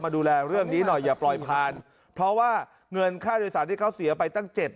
ดูแลเรื่องนี้หน่อยอย่าปล่อยผ่านเพราะว่าเงินค่าโดยสารที่เขาเสียไปตั้งเจ็ด